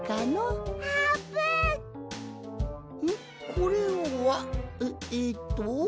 これは？ええっと？